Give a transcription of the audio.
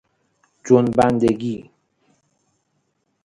جنبندگی